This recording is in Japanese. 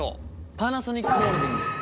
パナソニックホールディングス。